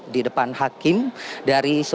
di depan hakim dari